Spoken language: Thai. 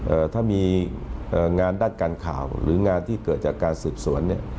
เอ่อถ้ามีเอ่องานด้านการข่าวหรืองานที่เกิดจากการสืบสวนเนี่ย